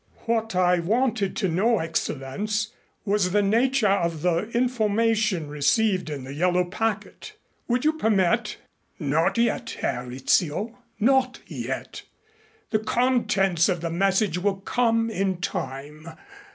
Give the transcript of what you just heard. "What I wanted to know, Excellenz, was the nature of the information received in the yellow packet. Would you permit ?" "Not yet, Herr Rizzio, not yet. The contents of the message will come in time.